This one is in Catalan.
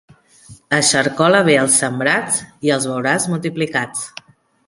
Eixarcola bé els sembrats i els veuràs multiplicats.